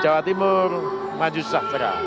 jawa timur maju sahara